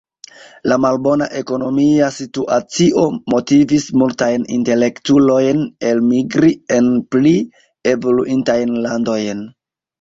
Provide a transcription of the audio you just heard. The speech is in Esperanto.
La malbona ekonomia situacio motivis multajn intelektulojn elmigri en pli evoluintajn landojn.